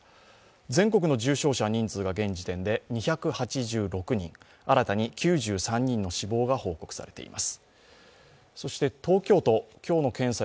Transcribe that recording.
全国の重症者、人数が現時点で２８６人、新たに９３人の死亡が報告されています。